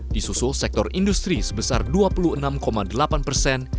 di susul sektor industri sebesar dua puluh enam delapan persen